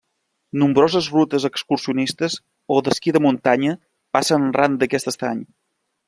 Nombroses rutes excursionistes o d'esquí de muntanya passen ran d'aquest estany.